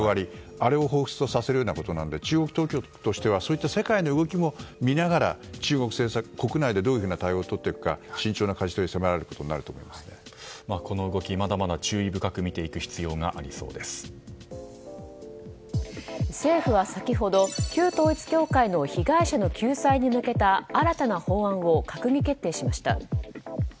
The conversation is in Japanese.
あれをほうふつとさせることなので中国当局としては世界の動きを見ながら中国国内でどういうふうな対応を取っていくか、慎重なかじ取りをこの動き、まだまだ注意深く政府は先ほど、旧統一教会の被害者の救済に向けた新たな法案を閣議決定しました。